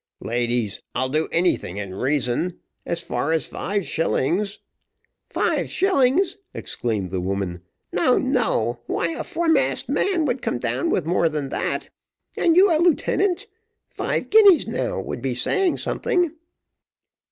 "Ladies, I'll do anything in reason. As far as five shillings " "Five shillings!" exclaimed the woman; "no, no why, a foremast man would come down with more than that. And you a lieutenant? Five guineas, now, would be saying something."